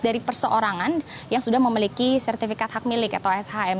dari perseorangan yang sudah memiliki sertifikat hak milik atau shm